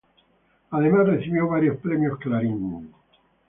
Además recibió varios premios Clarín.